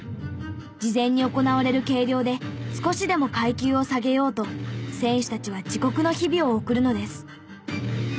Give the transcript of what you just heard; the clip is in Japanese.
事前に行われる計量で少しでも階級を下げようと選手たちは地獄の日々を送るのです。